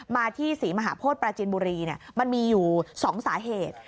มาที่ศรีมหาโพธิปราจินบุรีมันมีอยู่๒สาเหตุ